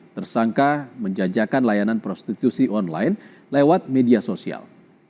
tersangka menjajakan layanan prostitusi online lewat media sosial